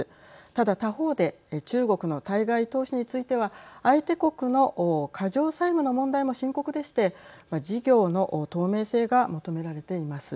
ただ、他方で中国の対外投資については相手国の過剰債務の問題も深刻でして事業の透明性が求められています。